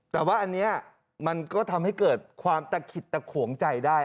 แต่ว่าอันนี้มันก็ทำให้เกิดความตะขิดตะขวงใจได้